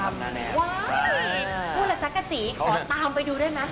ว้ายพูดล่ะจักรจีขอตามไปดูได้ไหม